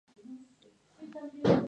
La Roche-Chalais